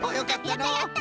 やったやった！